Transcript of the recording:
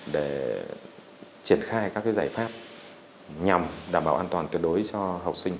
để triển khai các giải pháp nhằm đảm bảo an toàn tuyệt đối cho học sinh